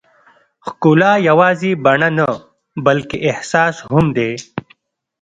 ښکلا یوازې بڼه نه، بلکې احساس هم دی.